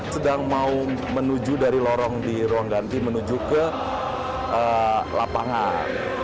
sedang mau menuju dari lorong di ruang ganti menuju ke lapangan